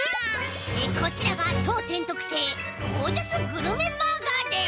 こちらがとうてんとくせいゴージャスグルメバーガーです！